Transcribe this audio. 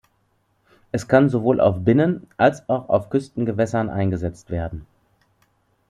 Es kann sowohl auf Binnen- als auch auf Küstengewässern eingesetzt werden.